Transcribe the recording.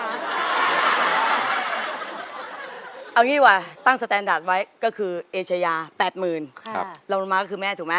เอางี้ดีกว่าตั้งสแตนดาร์ดไว้ก็คือเอเชยา๘๐๐๐เราลงมาก็คือแม่ถูกไหม